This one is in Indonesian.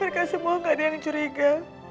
mereka semua gak ada yang curiga